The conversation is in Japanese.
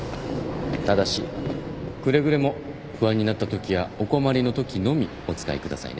ただしくれぐれも不安になったときやお困りのときのみお使いくださいね